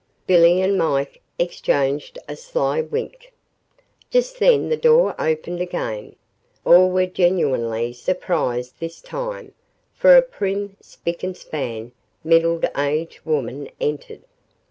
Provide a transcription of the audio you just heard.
Billy and Mike exchanged a sly wink. Just then the door opened again. All were genuinely surprised this time, for a prim, spick and span, middle aged woman entered.